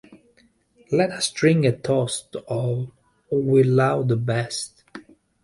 Let us drink a toast to all we love the best.